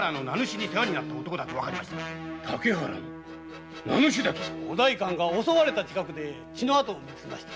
竹原の名主だと⁉お代官が襲われた近くで血の跡を見つけました。